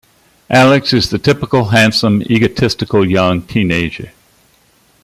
Alex is the typical handsome egotistical young teenager.